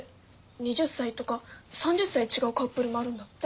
２０歳とか３０歳違うカップルもあるんだって。